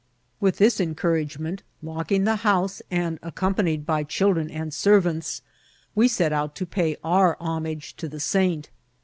With this encouragement, locking the house, and ac companied by children and servants, we set out to pay ' our homage to the saint.